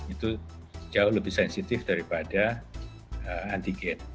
itu jauh lebih sensitif daripada antigen